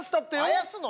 あやすの？